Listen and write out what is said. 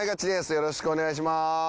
よろしくお願いします。